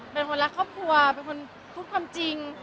เป็นคนรักครอบครัวเป็นคนพูดความจริง